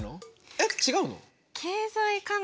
えっ違うの？